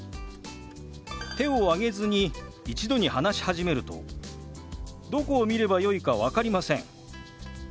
手を挙げずに一度に話し始めるとどこを見ればよいか分かりません。